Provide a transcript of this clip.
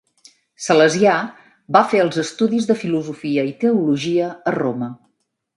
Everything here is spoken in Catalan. Salesià, va fer els estudis de filosofia i teologia a Roma.